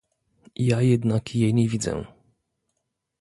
Ja jednak jej nie widzę